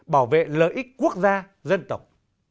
bảo vệ lợi ích quốc gia dân tộc